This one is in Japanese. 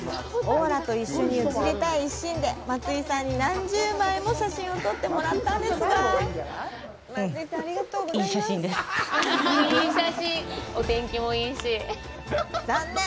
オーラと一緒に写りたい一心で松井さんに何十枚も写真を撮ってもらったんですが残念！